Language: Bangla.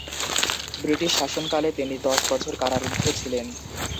ব্রিটিশ শাসনকালে তিনি দশ বছর কারারুদ্ধ ছিলেন।